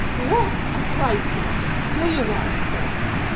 "What a Christ's name do you want, sir?"